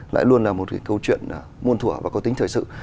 lại luôn là một câu chuyện muôn thủa và có tính thời sự